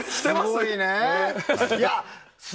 すごいね。